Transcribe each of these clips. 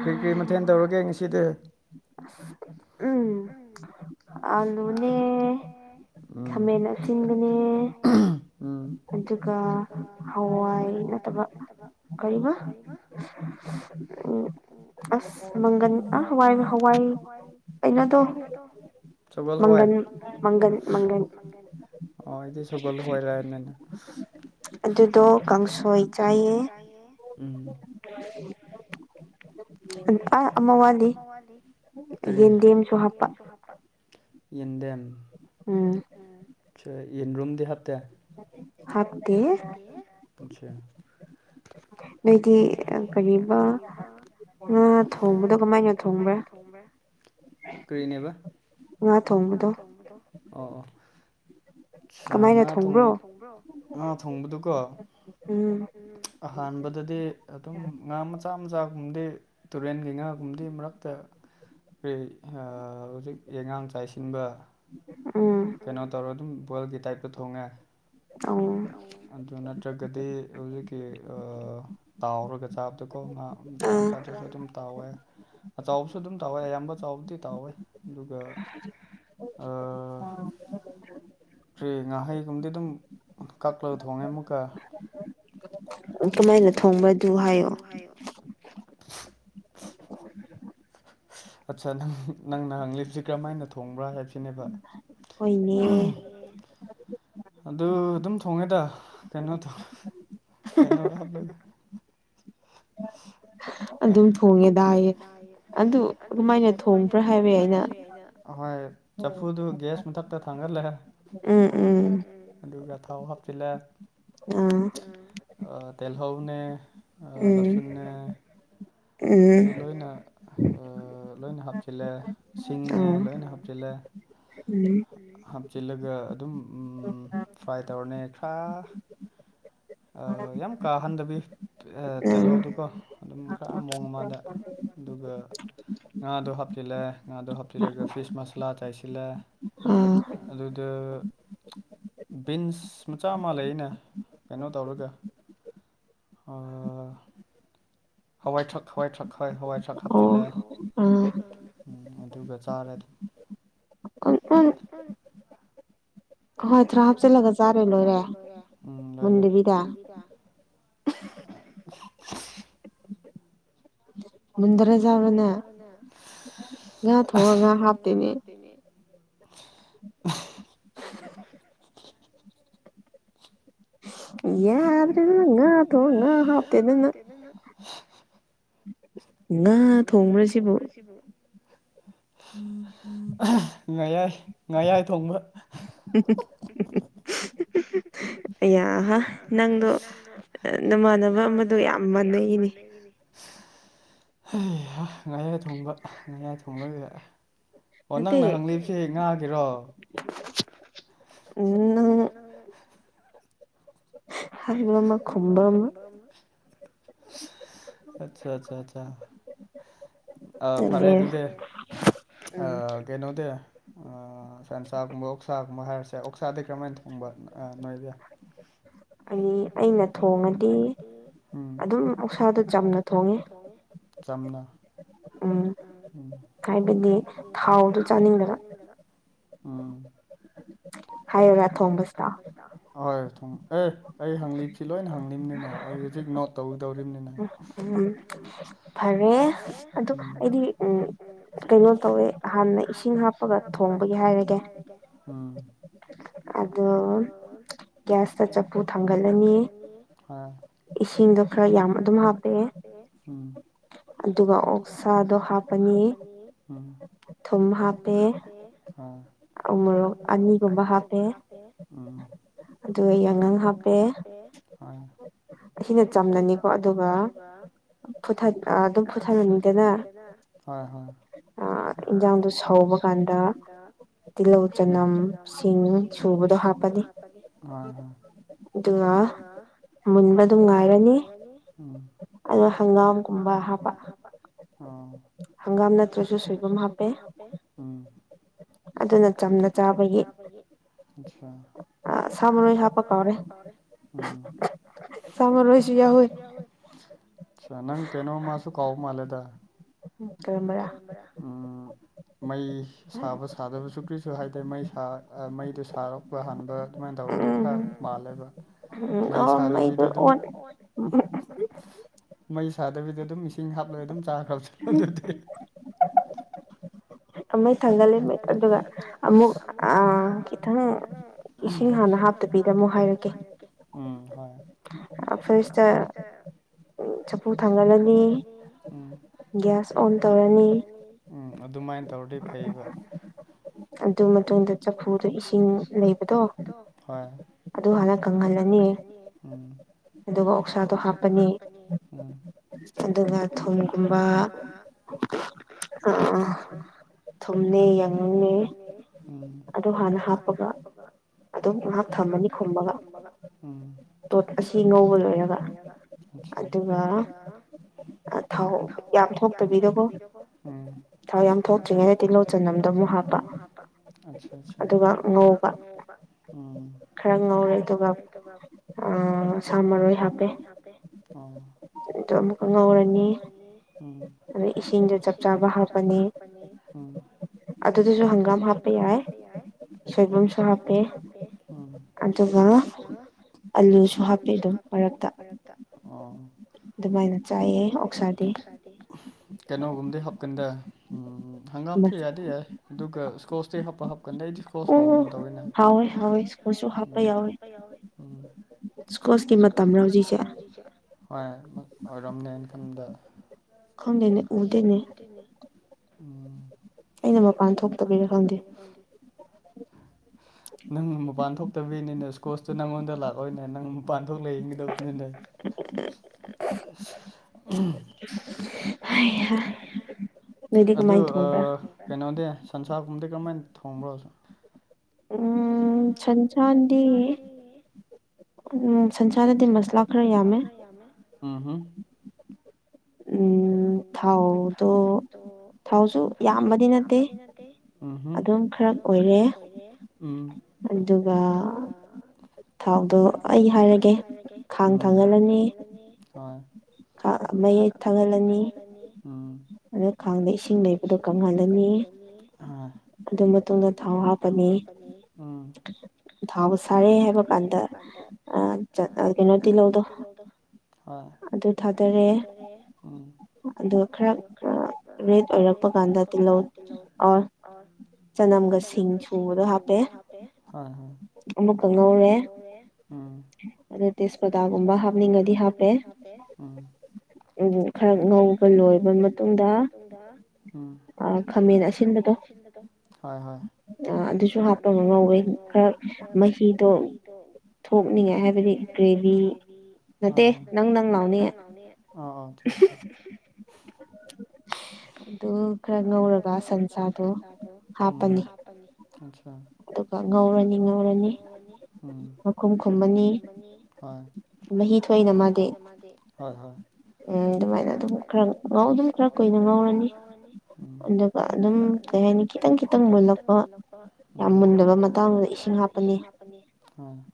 ꯀ꯭ꯔꯤ ꯀ꯭ꯔꯤ ꯃꯊꯦꯜ ꯇꯧꯔꯒꯦ ꯉꯁꯤꯗꯤ ꯎꯝ ꯑꯂꯨꯅꯦ ꯈꯥꯃꯦꯟ ꯑꯁꯤꯟꯕꯅꯦ ꯎ ꯑꯗꯨꯒ ꯍꯋꯥꯏ ꯅꯠꯇꯕ ꯀꯩꯕ ꯎꯝ ꯑꯁ ꯃꯪꯒꯜ ꯍꯋꯥꯏ ꯍꯋꯥꯏ ꯄꯩꯅꯗꯣ ꯆꯒꯜ ꯍꯋꯥꯏ ꯃꯪꯒꯟ ꯃꯪꯒꯟ ꯑꯣ ꯑꯩꯗꯤ ꯁꯒꯣꯜ ꯍꯋꯥꯏꯔꯅꯤꯅ ꯑꯗꯨꯗꯣ ꯀꯥꯡꯁꯣꯏ ꯆꯥꯏꯌꯦ ꯑꯌꯦ ꯎꯝ ꯑꯥ ꯑꯃ ꯋꯥꯠꯂꯤ ꯀꯔꯤ ꯌꯦꯟꯗꯦꯝꯁꯨ ꯍꯥꯞꯄ ꯌꯦꯟꯗꯦꯝ ꯎꯝ ꯌꯦꯟ ꯔꯨꯝꯗꯦ ꯍꯥꯞꯇꯦ ꯍꯥꯞꯇꯦꯍꯦ [unintelligible] ꯍꯥꯏꯗꯤ ꯀꯔꯤꯕ ꯉꯥ ꯊꯣꯡꯕꯗꯣ ꯀꯃꯥꯏꯅ ꯊꯣꯡꯕ꯭ꯔꯥ ꯀꯔꯤꯅꯦꯕ ꯉꯥ ꯊꯣꯡꯕꯗꯣ ꯑꯣ ꯑꯣ ꯉꯥꯕ ꯉꯥ ꯊꯣꯡꯕꯗꯨꯀꯣ ꯎꯝ ꯑꯍꯥꯟꯕꯗꯗꯤ ꯑꯗꯨꯝ ꯉꯥ ꯃꯆꯥ ꯃꯆꯥꯒꯨꯝꯗꯤ ꯇꯨꯔꯦꯟꯒꯤ ꯉꯥꯒꯨꯝꯗꯤ ꯃꯔꯛꯇ ꯀꯔꯤ ꯑ ꯍꯧꯖꯤꯛ ꯌꯦꯉꯥꯡ ꯆꯥꯏꯁꯤꯟꯕ ꯎꯝ ꯀꯩꯅꯣ ꯇꯧꯔ ꯑꯗꯨꯝ ꯕꯣꯏꯜꯒꯤ ꯇꯥꯏꯞꯇ ꯊꯣꯡꯉꯦ ꯑꯗꯨ ꯅꯠꯇ꯭ꯔꯒꯗꯤ ꯍꯧꯖꯤꯛꯀꯤ ꯇꯥꯎꯔꯒ ꯆꯥꯕꯗꯀꯣ ꯃꯆꯥ ꯃꯆꯥꯗꯨꯁꯨ ꯑꯗꯨꯝ ꯇꯥꯎꯋꯦ ꯑ ꯆꯥꯎꯕꯁꯨ ꯑꯗꯨꯝ ꯇꯥꯎꯋꯦ ꯑꯌꯥꯝꯕ ꯆꯥꯎꯕꯗꯤ ꯇꯥꯎꯋꯦ ꯑꯗꯨꯒ ꯐꯔꯤ ꯉꯥꯍꯩꯒꯨꯝꯗꯤ ꯑꯗꯨꯝ ꯀꯛꯂꯒ ꯊꯣꯡꯉꯦ ꯑꯃꯨꯛꯀ ꯀꯃꯥꯏꯅ ꯊꯣꯡꯕꯗꯨ ꯍꯥꯏꯌꯣ ꯍꯌꯣ ꯑꯠꯆꯥ ꯅꯪ ꯅꯪꯅ ꯍꯪꯂꯤꯞꯁꯤ ꯀꯔꯝꯍꯥꯏꯅ ꯊꯣꯡꯕ꯭ꯔꯥ ꯍꯥꯏꯕꯁꯤꯅꯦꯕ ꯍꯣꯏꯅꯦ ꯑꯗꯨ ꯑꯗꯨꯝ ꯊꯣꯡꯉꯦꯗ ꯀꯩꯅꯣ ꯇꯧ ꯀꯩꯅꯣꯔꯂꯒ [unintelligible] ꯑꯗꯨꯝ ꯊꯣꯡꯉꯦꯗ ꯍꯥꯏꯌꯦ ꯑꯗꯨ ꯑꯗꯨ ꯀꯃꯥꯏꯅ ꯊꯣꯡꯕ꯭ꯔꯥ ꯍꯥꯏꯕ ꯑꯩꯅ ꯑꯍꯣꯏ ꯆꯐꯨꯗꯨ ꯒ꯭ꯌꯥꯁ ꯃꯊꯛꯇ ꯊꯥꯡꯒꯠꯂꯦ ꯎꯝ ꯎꯝ ꯑꯗꯨꯒ ꯊꯥꯎ ꯍꯥꯞꯆꯤꯜꯂꯦ ꯇꯜꯍꯧꯅꯦ ꯂꯁꯨꯟꯅꯦ ꯑ ꯂꯣꯏꯅ ꯂꯣꯏꯅ ꯍꯥꯞꯆꯤꯜꯂꯦ ꯁꯤꯡꯉꯦ ꯂꯣꯏꯅ ꯍꯥꯞꯆꯤꯜꯂꯦ ꯍꯥꯞꯆꯤꯜꯂꯒ ꯑꯗꯨꯝ ꯐ꯭ꯔꯥꯏ ꯇꯧꯔꯅꯦ ꯈꯔ ꯌꯥꯝ ꯀꯥꯍꯟꯗꯕꯤ ꯇꯤꯜꯍꯧꯗꯨꯀꯣ ꯑꯗꯨꯝ ꯈꯔ ꯃꯑꯣꯣꯡꯡ ꯑꯃꯗ ꯑꯗꯨꯒ ꯉꯥꯗꯣ ꯍꯥꯞꯆꯤꯜꯂꯦ ꯉꯥꯗꯣ ꯍꯥꯞꯆꯤꯜꯂꯒ ꯐꯤꯁ ꯃꯁꯥꯂꯥ ꯆꯥꯏꯁꯤꯜꯂꯦ ꯑꯗꯨꯗ ꯕꯤꯟꯁ ꯃꯆꯥ ꯑꯃ ꯂꯩ ꯑꯅꯦ ꯀꯩꯅꯣ ꯇꯧꯔꯒ ꯍꯋꯥꯏ ꯊꯛ ꯍꯋꯥꯏ ꯊꯛ ꯍꯣꯏ ꯍꯋꯥꯏ ꯊꯥꯛ ꯍꯥꯞꯇꯂꯦ ꯎꯝ ꯑꯗꯨꯒ ꯆꯥꯔ ꯑꯗꯨꯝ ꯍꯥꯠ ꯍꯍꯣꯏ ꯊꯔ ꯍꯥꯞꯆꯤꯜꯂꯒ ꯆꯥꯔꯦ ꯂꯣꯏꯔꯦ ꯃꯟꯕꯤꯗ ꯈꯣꯡꯕ꯭ꯔꯥ ꯌꯥꯕꯅꯦ ꯊꯣꯡꯒ ꯍꯥꯞꯇꯣꯏꯅꯦ ꯌꯥꯗ꯭ꯔꯔꯤ ꯅꯪ ꯍꯥꯇꯣ ꯍꯪ ꯍꯥꯥꯎꯞꯇꯦ ꯅꯪ ꯉꯥ ꯊꯣꯡꯕ꯭ꯔꯁꯤꯕꯨ ꯁꯤꯕꯨ ꯉꯌꯥꯏ ꯉꯥꯌꯥꯏ ꯊꯣꯡꯕ ꯑꯗꯨ ꯌꯥꯍ ꯅꯪꯗꯣ ꯅꯃꯥꯟꯅꯕ ꯑꯃꯗꯣ ꯌꯥꯝ ꯃꯥꯟꯅꯩꯅꯦ ꯉꯥꯌꯥꯏ ꯊꯣꯡꯕ ꯉꯌꯥꯏ ꯊꯣꯡꯂꯒꯗꯥꯛꯑꯦ ꯑꯣ ꯅꯪꯅ ꯍꯪꯂꯤꯕꯁꯦ ꯉꯥꯒꯤꯔꯣ ꯍꯥꯏꯔꯤꯕ ꯑꯆꯥ ꯑꯆꯥ ꯑꯆꯥ ꯑ ꯐꯔꯦ ꯑꯗꯨꯗꯤ ꯑ ꯀꯩꯅꯣꯗ ꯁꯟꯁꯥꯒꯨꯝꯕ ꯑꯣꯛꯁꯥꯒꯨꯝꯕ ꯍꯥꯏꯔꯁꯦ ꯑꯣꯛꯁꯥꯗꯤꯩ ꯀꯔꯝꯍꯥꯏꯅ ꯊꯣꯡꯕ ꯅꯣꯏꯗꯤ ꯍꯥꯏ ꯑꯩꯅ ꯊꯣꯡꯉꯗꯤ ꯑꯗꯨꯝ ꯑꯧꯁꯥꯗ ꯆꯝꯅ ꯊꯣꯡꯉꯦ ꯆꯝꯅ ꯎꯝ ꯍꯥꯏꯕꯗꯤ ꯊꯥꯎꯗꯣ ꯆꯥꯅꯤꯡꯕꯒ ꯎꯝ ꯍꯥꯏ꯭ꯔꯥ ꯊꯣꯡꯕꯁꯇ ꯍꯣꯏ ꯊ ꯑꯦ ꯑꯩ ꯍꯪꯂꯤꯁꯤ ꯂꯣꯏꯅ ꯍꯪꯂꯤꯝꯅꯤꯅꯦ ꯑꯩ ꯍꯧꯖꯤꯛ ꯅꯣꯠ ꯇꯧꯒꯗꯧꯔꯤꯕꯅꯤꯅꯦ ꯎꯝ ꯐꯔꯦ ꯑꯗꯨ ꯑꯩꯗꯤ ꯎꯝ ꯀꯩꯅꯣ ꯇꯧꯋꯦ ꯍꯥꯟꯅ ꯏꯁꯤꯡ ꯍꯥꯞꯄ ꯏꯁꯤꯡ ꯍꯥꯞꯄꯒ ꯊꯣꯡꯕꯒꯤ ꯍꯥꯏꯔꯒꯦ ꯑꯗꯣ ꯒ꯭ꯌꯥꯁꯇ ꯆꯐꯨ ꯊꯥꯡꯒꯠꯂꯅꯤ ꯏꯁꯤꯡꯗꯣ ꯈꯔ ꯌꯥꯝ ꯑꯗꯨꯝ ꯍꯥꯞꯄꯦ ꯎ ꯑꯗꯨꯒ ꯑꯣꯛꯁꯥꯗꯣ ꯍꯥꯞꯄꯅꯤ ꯊꯨꯝ ꯍꯥꯞꯄꯦ ꯃꯣꯔꯣꯛ ꯑꯅꯤ ꯑꯅꯤꯒꯨꯝꯕ ꯍꯥꯄꯦ ꯑꯗꯨ ꯑꯩ ꯑꯉꯥꯡ ꯍꯥꯞꯄꯦꯦ ꯑ ꯑꯁꯤꯅ ꯆꯝꯅꯅꯤꯀꯣ ꯑꯗꯨꯒ ꯐꯊ ꯑꯗꯨꯝ ꯐꯨꯊꯔꯅꯤꯗꯅ ꯍꯣꯏ ꯍꯣꯏ ꯌꯦꯟꯖꯥꯡꯗꯨꯣ ꯁꯧꯕ ꯀꯥꯟꯗ ꯇꯤꯜꯍꯧ ꯆꯅꯝ ꯁꯤꯡ ꯁꯨꯕꯗꯣ ꯍꯥꯞꯄꯅꯤ ꯍꯣꯏ ꯍꯣꯏ ꯑꯗꯨꯉ ꯑꯃꯨꯟꯕ ꯑꯗꯨꯝ ꯉꯥꯏꯔꯅꯤ ꯑꯗꯣ ꯍꯪꯒꯥꯝꯒꯨꯝꯕ ꯍꯥꯞꯄ ꯍꯪꯒꯥꯝ ꯅꯠꯇ꯭ꯔꯁꯨ ꯁꯣꯏꯕꯨꯝ ꯍꯥꯞꯄꯦ ꯎꯝ ꯑꯗꯨꯅ ꯆꯝꯅ ꯆꯥꯕꯒꯤ ꯑ ꯁ ꯔꯣ ꯍꯥ ꯄꯀꯥꯔꯦ ꯆ ꯑꯃꯅ ꯔꯍꯤꯁꯤ ꯌꯥ ꯍꯏ ꯑ ꯅꯪ ꯀꯩꯅꯣ ꯃꯥꯁꯨ ꯀꯥꯎ ꯃꯥꯜꯂꯦꯗ ꯃꯩ ꯁꯥꯕ ꯁꯥꯗꯕꯁꯨ ꯀꯔꯤꯁꯨ ꯍꯥꯏꯗꯤ ꯃꯩ ꯃꯩꯗꯣ ꯁꯥꯔꯛꯄ ꯍꯥꯟꯕ ꯑꯗꯨꯃꯥꯏꯅ ꯇꯧꯔꯗꯤ ꯈꯔ ꯃꯥꯜꯂꯦꯕ ꯃꯩ ꯁꯥꯗꯕꯤꯗ ꯑꯗꯨꯝ ꯃꯩ ꯁꯥꯗꯕꯤꯗ ꯑꯗꯨꯝ ꯏꯁꯤꯡ ꯍꯥꯞꯂꯣꯏꯒ ꯑꯗꯨꯝ ꯆꯥꯔ ꯍꯥꯞꯆꯤꯜꯂꯖꯠꯇꯦ ꯑꯃꯃꯥꯏ ꯊꯒꯥ ꯂꯩ ꯑꯗꯨꯒꯒꯃꯨ ꯑ ꯀ ꯊ ꯎ ꯏꯁꯤꯡ ꯍꯥꯟꯅ ꯍꯥꯞꯇꯕꯤꯗ ꯑꯃꯨꯛ ꯍꯥꯏꯔꯛꯀꯦ ꯎꯝ ꯍꯣꯏ ꯑ ꯐꯁ ꯆꯐꯨ ꯊꯥꯡꯍꯠꯜꯂꯅꯤ ꯒ꯭ꯌꯥꯁ ꯑꯣꯟ ꯇꯧꯔꯅꯤ ꯎꯝ ꯑꯗꯨꯃꯥꯏꯅ ꯇꯧꯔꯗꯤ ꯐꯩꯕ ꯑꯗꯨ ꯃꯇꯨꯡꯣꯗ ꯆꯐꯨꯗ ꯏꯁꯤꯡ ꯂꯩꯕꯗꯣ ꯑꯗꯨ ꯍꯥꯟꯅ ꯀꯪꯍꯜꯂꯅꯤ ꯑꯗꯨꯒ ꯑꯣꯛꯁꯥꯗꯣ ꯍꯥꯞꯄꯅꯤ ꯑꯗꯨꯒ ꯊꯨꯝꯒꯨꯝꯕ ꯑ ꯊꯨꯝꯅꯤ ꯌꯥꯡꯅꯦ ꯎ ꯑꯗꯣ ꯍꯥꯟꯅ ꯍꯥꯞꯄꯒ ꯑꯗꯨꯝ ꯉꯥꯏꯍꯥꯛ ꯊꯝꯃꯅꯤ ꯈꯨꯝꯕꯒ ꯇꯣꯠ ꯑꯁꯤ ꯂꯧꯕ ꯂꯣꯏꯔꯒ ꯑꯗꯨꯒ ꯊꯥꯎ ꯌꯥꯝ ꯊꯣꯛꯇꯕꯤꯗꯀꯣ ꯊꯥꯎ ꯌꯥꯝ ꯊꯣꯛꯇ꯭ꯔꯤꯉꯩꯗ ꯇꯤꯜꯣꯆꯟ ꯑꯃꯝꯗ ꯑꯃꯨꯛ ꯍꯥꯞꯄ ꯑꯆꯥ ꯑꯆꯥ ꯑꯗꯨꯒ ꯎꯝ ꯈꯔ ꯉꯧꯔꯦ ꯑꯗꯨꯒ ꯑ ꯁꯥ ꯃꯔꯣꯏ ꯍꯥꯞꯄꯦ ꯑꯗꯨꯗꯣ ꯑꯃꯨꯛꯀ ꯉꯧꯔꯅꯤ ꯑꯗꯨꯗꯩ ꯏꯁꯤꯡꯗ ꯆꯞ ꯆꯥꯕ ꯍꯥꯞꯄꯅꯤ ꯎꯝ ꯑꯗꯨ ꯑꯗꯨꯁꯨ ꯍꯪꯒꯥꯝ ꯍꯥꯞꯄ ꯌꯥꯦ ꯄꯦ ꯌꯥ ꯁ ꯁꯥ ꯍꯥ ꯄꯦ ꯑꯗꯨꯒ ꯑꯂꯨꯁꯨ ꯍꯥꯞꯄꯤ ꯑꯗꯨꯝ ꯃꯔꯛꯇ ꯑꯗꯨꯃꯥꯏꯅ ꯆꯥꯏꯌꯦ ꯑꯣꯛꯁꯥꯗꯤ ꯀꯩꯅꯣꯒꯨꯝꯕꯗꯤ ꯍꯥꯞꯀꯟꯗ ꯍꯪꯒꯥꯝꯁꯨ ꯌꯥꯗꯤ ꯌꯥꯏ ꯑꯗꯨꯒ ꯁꯀꯣ ꯄꯣꯠꯆ ꯆꯩ ꯍꯥꯞꯄ ꯍꯥꯞꯀꯟꯗ ꯑꯩꯗꯤꯀꯥꯎꯁ ꯍꯥꯎꯕꯒꯨꯝꯗꯧꯔꯤ ꯎꯝ ꯁꯀꯣꯁꯀꯤ ꯃꯇꯝ ꯍꯧꯖꯤꯛꯁꯦ ꯊꯖ ꯍꯣꯏ ꯑꯣꯏꯔꯝꯅꯦꯅ ꯈꯟꯗ ꯈꯗꯅꯦ ꯎꯦꯅꯦ ꯎꯝ ꯑꯩꯅ ꯃꯄꯥꯟ ꯊꯣꯛꯇꯕꯤꯔ ꯈꯪꯗꯦ ꯊꯦꯡ ꯅꯪ ꯃꯄꯥꯟ ꯊꯣꯛꯇꯕꯅꯤꯅꯦ ꯏꯁꯀꯣꯁꯇꯨ ꯅꯪꯉꯣꯟꯗ ꯂꯥꯛꯑꯣꯣꯏꯅꯦ ꯅꯪ ꯃꯄꯥꯟ ꯊꯣꯛ ꯂꯩꯌꯦꯡꯒꯗꯕꯅꯤꯅꯦ ꯎ ꯎ ꯍꯥꯏ ꯑꯗꯨ ꯀꯩꯅꯣꯗꯤ ꯁꯟꯁꯥꯀꯨꯝꯕꯗꯤ ꯀꯔꯝꯍꯥꯏꯅ ꯊꯣꯡꯕ꯭ꯔꯣꯁꯨ ꯎꯝ ꯁꯟ ꯆꯥꯗꯤꯌꯦ ꯑꯗꯨ ꯁꯟꯁꯥꯗꯗꯤ ꯃꯁꯂꯥ ꯈꯔ ꯌꯥꯝꯃꯦ ꯎꯝ ꯊꯥꯎꯗꯣ ꯊꯥꯎꯁꯨ ꯌꯥꯝꯕꯗꯤ ꯅꯠꯇꯦ ꯑꯗꯨꯝ ꯈꯔ ꯀꯣꯏꯔꯦ ꯑꯗꯨꯒ ꯊꯥꯎꯗꯣ ꯑꯩ ꯍꯥꯏ ꯑꯩ ꯍꯥꯏꯔꯒꯦ ꯈꯥꯡ ꯊꯥꯡꯒꯠꯂꯅꯤ ꯑꯃꯌꯦꯛ ꯊꯥꯡꯍꯜꯂꯅꯤ ꯎꯝ ꯑꯗ ꯈꯥꯡꯗ ꯏꯁꯤꯡ ꯂꯩꯕꯗ ꯀꯪꯍꯜꯂꯅꯤ ꯑꯗꯨ ꯃꯇꯨꯡꯗ ꯊꯥꯎ ꯍꯥꯞꯄꯅꯤ ꯎꯝ ꯊꯥꯎ ꯁꯥꯔꯦ ꯍꯥꯏꯕ ꯀꯥꯟꯗ ꯀꯩꯅꯣ ꯇꯤꯜꯍꯧꯗꯣ ꯑ ꯑꯗꯨ ꯑꯗꯨ ꯊꯥꯗꯔꯦ ꯑꯗ ꯈꯔ ꯔꯦꯠ ꯑꯣꯏꯔꯛꯄ ꯀꯥꯟꯗ ꯇꯤꯍꯧ ꯑ ꯆꯅꯝꯒ ꯁꯤꯡ ꯁꯨꯕꯗꯨ ꯍꯥꯞꯄꯦ ꯑꯦ ꯑꯍ ꯑꯃꯨꯛꯀ ꯉꯧꯔꯦ ꯐꯔꯦ ꯎꯝ ꯑꯗꯨ ꯇꯦꯖꯄꯇꯥꯒꯨꯝꯕ ꯍꯥꯞꯅꯤꯡꯉꯗꯤ ꯍꯥꯞꯄꯦ ꯑ ꯎꯝ ꯎꯝ ꯈꯔ ꯉꯧꯕ ꯂꯣꯏꯔꯕ ꯃꯇꯨꯡꯗ ꯎꯝ ꯈꯥꯃꯦꯟ ꯑꯁꯤꯟꯕꯗꯣ ꯍꯣꯏ ꯍꯣꯏ ꯑ ꯑꯗꯨꯁꯨ ꯍꯥꯞꯄ ꯉꯧꯋꯦ ꯈꯔ ꯃꯍꯤꯗꯣ ꯗꯣ ꯊꯣꯛꯅꯤꯡꯉꯦ ꯍꯥꯏꯕꯗꯤ ꯀ꯭ꯔꯤ ꯀꯔꯤ ꯅꯠꯇꯦ ꯅꯪ ꯅꯪ ꯂꯥꯎꯅꯦ [unintelligible] ꯑꯗꯨ ꯈꯔ ꯉꯧꯔꯒ ꯁꯟꯁꯥꯗꯣ ꯍꯥꯞꯄꯅꯤ ꯑꯁꯥ ꯑꯗꯨꯒ ꯉꯧꯔꯅꯤ ꯉꯧꯔꯅꯤ ꯃꯈꯨꯝ ꯈꯨꯝꯃꯅꯤ ꯍꯣꯏ ꯃꯍꯤ ꯊꯣꯛꯏꯅ ꯃꯥꯗꯤ ꯃꯥꯗꯤ ꯍꯣꯏ ꯍꯣꯏ ꯎꯝ ꯑꯗꯨꯃꯥꯏꯅ ꯑꯗꯨꯝ ꯈꯔ ꯉꯧ ꯑꯗꯨꯝ ꯈ꯭ꯔ ꯀꯨꯏꯅ ꯉꯧꯔꯅꯤ ꯑꯗꯨ ꯑꯗꯨꯒ ꯑꯗꯨꯝ ꯀꯩ ꯍꯥꯏꯅꯤ ꯈꯤꯇꯪ ꯈꯤꯇꯪ ꯃꯨꯜꯂꯛꯄ ꯎꯝ ꯌꯥꯝ ꯃꯨꯟꯗꯕ ꯃꯇꯥꯡꯗ ꯏꯁꯤꯡ ꯍꯥꯞꯄꯅꯤ ꯎꯝ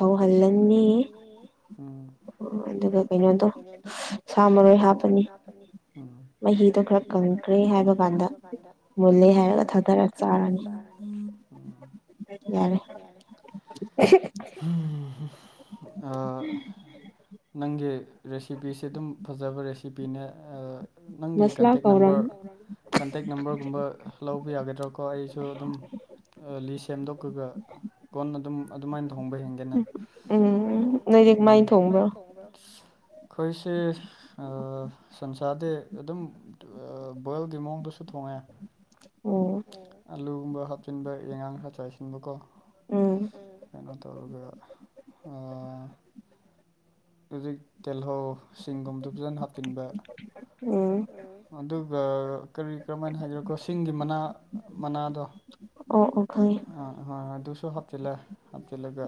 ꯑꯗꯨꯒ ꯁꯧꯍꯜꯂꯅꯤ ꯎꯝ ꯑꯗꯨꯒ [unintelligible] ꯁꯥ ꯃꯔꯣꯏ ꯍꯥꯞꯄꯅꯤ ꯃꯍꯤꯗꯣ ꯈꯔ ꯀꯪꯈ꯭ꯔꯦ ꯍꯥꯏꯕ ꯀꯥꯟꯗ ꯃꯨꯜꯂꯦ ꯍꯥꯏꯔ ꯊꯥꯡꯗꯔꯂꯛꯄ ꯎꯝ ꯌꯥꯔꯦ ꯌꯥꯔꯦ [unintelligible] ꯍꯨꯝꯍ ꯑ ꯅꯪꯒꯤ ꯔꯦꯁꯤꯄꯤꯁꯦ ꯑꯗꯨꯝ ꯐꯖꯕ ꯔꯦꯁꯤꯄꯤꯅꯦ ꯅꯪꯒꯤ ꯀꯟꯇꯦꯛ ꯅꯝꯕꯔ ꯀꯟꯇꯦꯛ ꯅꯝꯕꯔꯒꯨꯝꯕ ꯂꯧꯕ ꯌꯥꯒꯗ꯭ꯔꯥꯀꯣ ꯑꯩꯁꯨ ꯑꯗꯨꯝ ꯑ ꯂꯤꯁꯠ ꯁꯦꯝꯗꯣꯛꯀꯒ ꯀꯣꯟ ꯑꯗꯨꯝ ꯑꯗꯨꯃꯥꯏꯅ ꯊꯣꯡꯕ ꯌꯦꯟꯒꯦꯅꯦ ꯑꯩꯈꯣꯏꯁꯦ ꯑ ꯁꯟꯁꯥꯔꯗꯤ ꯑꯗꯨꯝ ꯑ ꯕꯣꯏꯜꯒꯤ ꯃꯑꯣꯡꯗꯁꯨ ꯊꯣꯡꯉꯦ ꯑꯣ ꯑꯥꯂꯨꯒꯨꯝꯕ ꯍꯥꯞꯆꯤꯟꯕ ꯌꯦꯟꯉꯥꯡ ꯈꯔ ꯆꯥꯏꯁꯤꯟꯕꯀꯣ ꯎꯝ ꯀꯩꯅꯣ ꯇꯧꯔꯒ ꯑꯥ ꯍꯧꯖꯤꯛ ꯇ‌ꯦꯜꯍꯧ ꯁꯤꯡꯒꯨꯝꯕꯗ‌ꯣ ꯐꯖꯅ ꯍꯥꯞꯆꯤꯟꯕ ꯎꯝ ꯎꯝ ꯑꯗꯨꯒ ꯀꯔꯤ ꯀꯔꯝꯍꯥꯏꯅ ꯍꯥꯏꯒꯦꯔ ꯀ꯭ꯔ‌ꯣꯁꯤꯡꯒꯤ ꯃꯅꯥ ꯃꯅꯥꯗꯣ ꯑ ꯍ‌ꯣꯍ‌ꯣꯏ ꯑꯗꯨꯁꯨ ꯍꯥꯞ ꯍꯥꯞꯆꯤꯜꯂꯦ ꯍꯥꯞꯆꯤꯜꯂꯒ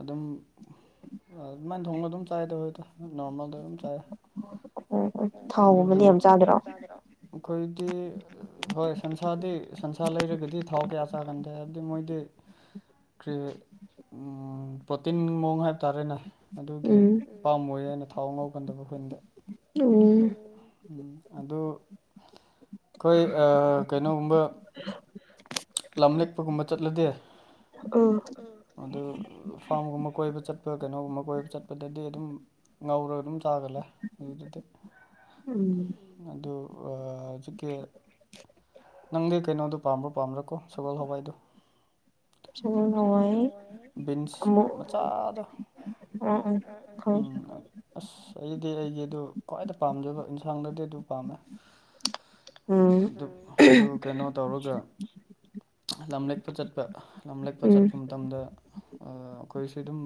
ꯑꯗꯨꯝ ꯑꯗꯨꯃꯥꯏꯟ ꯊꯣꯡꯂ ꯑꯗꯨꯝ [unintelligible] ꯅꯣꯔꯃꯦꯜꯗ ꯑꯗꯨꯝ ꯆꯥꯏ ꯑꯗꯨꯕꯨ ꯊꯥꯎꯕꯨꯗꯤ ꯌꯥꯝ ꯆꯥꯗ꯭ꯔꯣ ꯑꯈꯣꯏꯗꯤ ꯍꯣꯏ ꯁꯟꯁꯥꯗꯤ ꯁꯟꯁꯥ ꯂꯩꯔꯒꯗꯤ ꯊꯥꯎ ꯀꯌꯥ ꯆꯥꯒꯟꯗꯦ ꯍꯥꯏꯕꯗꯤ ꯃꯣꯏꯗꯤ ꯀ꯭ꯔꯤ ꯎꯝ ꯄ꯭ꯔꯣꯇꯤꯟ ꯃꯑꯣꯡ ꯍꯥꯏꯕ ꯇꯥꯔꯦꯅꯦ ꯑꯗꯨꯒꯤ ꯄꯥꯥꯝ ꯑꯣꯏꯔꯦꯅ ꯊꯥꯎ ꯉꯥꯎꯒꯟꯗꯕ ꯑꯩꯈꯣꯏꯅꯗꯤ ꯎꯝ ꯑꯗꯨ ꯑꯩꯈꯣꯏ ꯑꯥ ꯀꯩꯅꯣꯒꯨꯝꯕ ꯂꯝꯂꯦꯛꯄꯒꯨꯝꯕ ꯆꯠꯂꯗꯤ ꯎꯝ ꯑꯗꯨ ꯐꯥꯔꯝꯒꯨꯝꯕ ꯀꯣꯏꯕ ꯆꯠꯄ ꯀꯩꯅꯣꯒꯨꯝꯕ ꯀꯣꯏꯕ ꯆꯠꯄ ꯗꯗꯤ ꯑꯗꯨꯝ ꯉꯧꯔꯒ ꯑꯗꯨꯝ ꯆꯥꯒꯜꯂꯦ ꯑꯗꯨꯗꯗꯤ ꯑꯗꯨ ꯑꯥ ꯍꯨꯖꯤꯛꯀꯤ ꯅꯪꯗꯤ ꯀꯩꯅꯣꯗ‌ꯣ ꯄꯥꯝꯕ꯭ꯔꯣ ꯄꯥꯝꯗ꯭ꯔꯣꯀꯣ ꯁꯒꯣꯜ ꯍꯋꯥꯏꯗꯨ ꯕꯤꯟꯁ ꯃꯆꯥꯗ‌ꯣ ꯎꯝ ꯑꯁ ꯑꯩꯗꯤ ꯑꯩꯒꯤ ꯑꯗꯨ ꯈ꯭ꯋꯥꯏꯗ ꯄꯥꯝꯖꯕ ꯏꯟꯁꯥꯡꯗꯗꯤ ꯑꯗꯨ ꯄꯥꯝꯃꯦ ꯑꯗꯨ ꯑꯗꯨ ꯀꯩꯅꯣ ꯇꯧꯔꯒ ꯂꯝꯂꯦꯛꯄ ꯆꯠꯄ ꯂꯝ ꯂꯦꯛꯄ ꯆꯠꯄ ꯃꯇꯝꯗ ꯑꯩꯈꯣꯏꯁꯨ ꯑꯗꯨꯝ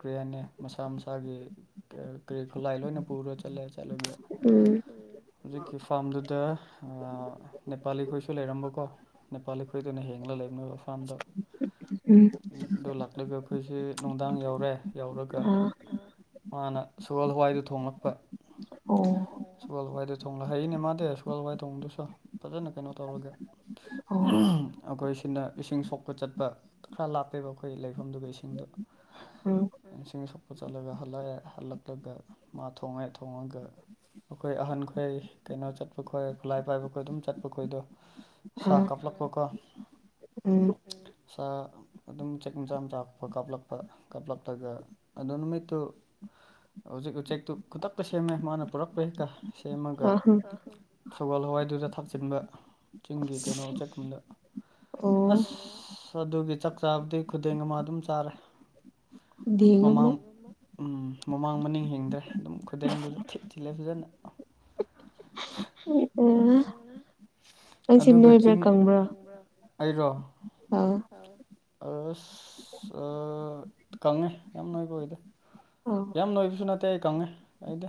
ꯀ꯭ꯔꯤ ꯍꯥꯏꯅꯤ ꯃꯁꯥ ꯃꯁ ꯁꯥꯒꯤ ꯀꯔꯤ ꯈꯨꯂꯥꯏ ꯂꯣꯏꯅ ꯄꯨꯔ ꯆꯠꯂ‌ꯦ ꯆꯠꯂꯒ ꯍꯧꯖꯤꯛꯀꯤ ꯐꯥꯔꯝꯗꯨꯗ ꯅꯦꯄꯥꯂꯤꯈꯣꯏꯁꯨ ꯂꯩꯔꯝꯕꯀꯣ ꯅꯦꯄꯥꯂꯤ ꯈ‌ꯣꯏꯗꯨꯅ ꯍꯦꯡꯂꯒ ꯂꯩꯕꯅ‌ꯦ ꯑ‌ꯣꯔꯐꯥꯟꯗ‌ꯣ ꯑꯗꯨ ꯂꯥꯛꯂꯒ ꯑꯩꯈꯣꯏꯁꯦ ꯅꯨꯡꯗꯥꯡ ꯌꯥꯎꯔꯦ ꯌꯥꯎꯔꯒ ꯃꯥꯅ ꯁꯨꯒ‌ꯣꯜ ꯍꯋꯥꯏꯗꯨ ꯊꯣꯡꯂꯛꯄ ꯁꯒꯣꯜ ꯍꯋꯥꯏꯗꯨ ꯊꯣꯡꯂ ꯍꯩꯅꯦ ꯃꯥꯗꯤ ꯁꯒꯣꯜ ꯍꯋꯥꯏ ꯊꯣꯡꯕꯗꯨꯁꯨ ꯐꯖꯅ ꯀꯩꯅꯣ ꯇꯧꯔꯒꯦ ꯑꯩꯈꯣꯏ ꯁꯤꯅ ꯏꯁꯤꯡ ꯁꯣꯛꯄ ꯆꯠꯄ ꯈꯔ ꯂꯥꯞꯄꯦꯕ ꯑꯩꯈꯣꯏ ꯂꯩꯐꯝꯗꯨꯒ ꯏꯁꯤꯡꯗꯣ ꯏꯁꯤꯡ ꯁ‌ꯣꯛ ꯄꯨ ꯆꯠꯂꯒ ꯍꯜꯂꯛꯑꯦ ꯍꯜꯂꯛꯂꯒ ꯃꯥ ꯊꯣꯡꯉꯦ ꯊꯣꯡꯉꯒ ꯑꯩꯈꯣꯏ ꯑꯍꯟꯈꯣꯏ ꯀꯩꯅꯣ ꯆꯠꯄ ꯈꯣꯏ ꯈꯨꯠꯂꯥꯏ ꯄꯥꯏꯕ ꯈꯣꯏ ꯑꯗꯨꯝ ꯆꯠꯄ ꯈꯣꯏꯗꯣ ꯁꯥ ꯀꯥꯞꯂꯛꯄ ꯀꯣ ꯁꯥ ꯑꯗꯨꯝ ꯆꯦꯛ ꯃꯆꯥ ꯃꯆꯥ ꯀꯥꯞꯂꯛꯄ ꯀꯥꯞꯂꯛꯂꯒ ꯑꯗꯨ ꯅꯨꯃꯤꯠꯇꯨ ꯍꯧꯖꯤꯛ ꯎꯆꯦꯛꯇꯨ ꯈꯨꯗꯛꯇ ꯁꯦꯝꯃꯦ ꯃꯥꯅ ꯄꯨꯔꯛꯄꯩ ꯀ ꯁꯦꯝꯃꯒ ꯁꯒꯣꯜ ꯍꯋꯥꯏꯗꯨꯗ ꯊꯥꯛꯆꯤꯟꯕ ꯆꯤꯡꯒꯤ ꯀꯩꯅꯣ ꯆꯠꯀꯨꯝꯗ ꯑꯁ ꯑꯗꯨꯒꯤ ꯆꯥꯛ ꯆꯥꯕꯗꯤ ꯈꯨꯗꯦꯡ ꯑꯃ ꯑꯗꯨꯝ ꯆꯥꯔꯦ ꯃꯃꯥꯡ ꯎꯝ ꯃꯃꯥꯡ ꯃꯅꯤꯡ ꯍꯤꯡꯗ꯭ꯔꯦ ꯑꯗꯨꯝ ꯈꯨꯗ‌ꯦꯡꯗꯨꯗ ꯊꯤꯠ ꯊꯤꯠꯂꯦ ꯐꯖꯅ [unintelligible] ꯑꯗꯨꯒ ꯆꯤꯡ [unintelligible] ꯑꯩꯔꯣ ꯑ ꯑ ꯑꯁ ꯀꯪꯉꯦ ꯌꯥꯝ ꯅ‌ꯣꯏꯕ ꯑꯣꯏꯗꯦ ꯌꯥꯝ ꯅ‌ꯣꯏꯕꯁꯨ ꯅꯠꯇꯦ ꯑꯩ ꯀꯪꯉꯦ ꯑꯩꯗꯤ